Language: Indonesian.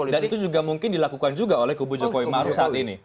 dan itu juga mungkin dilakukan juga oleh kubu jokowi maru saat ini